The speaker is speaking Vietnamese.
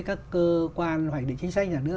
các cơ quan phải định chính sách nhà nước